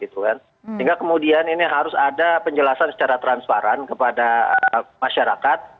sehingga kemudian ini harus ada penjelasan secara transparan kepada masyarakat